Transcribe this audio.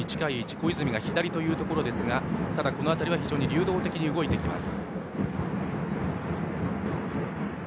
小泉が左ですが、この辺りは非常に流動的に動いてきます。